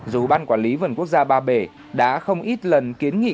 dù ban quản lý vườn quốc gia ba bể đã không ít lần kiến nghị